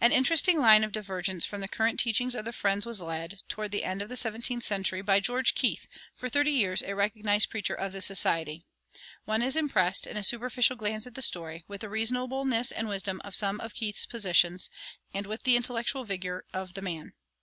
An interesting line of divergence from the current teachings of the Friends was led, toward the end of the seventeenth century, by George Keith, for thirty years a recognized preacher of the Society. One is impressed, in a superficial glance at the story, with the reasonableness and wisdom of some of Keith's positions, and with the intellectual vigor of the man.